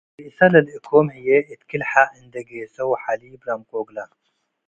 ብእሰ ለልእኮም ህዬ እት ክል-ሐ እንዴ ጌሰው ሐሊብ ረምቆ እግለ ።